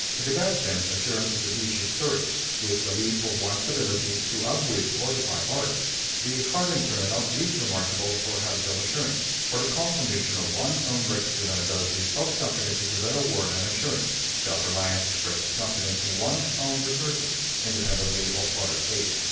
In the bad sense, assurance is a vicious courage, with belief of one's ability to outwit or defy others; the hardened criminal is remarkable for habitual assurance. For the calm conviction of one's own rectitude and ability, self confidence is a better word than assurance; self reliance expresses confidence in one's own resources, independently of others' aid.